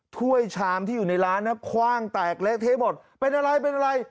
ถ้วยชามที่อยู่ในร้านนะคว่างแตกเละเทะหมดเป็นอะไรเป็นอะไร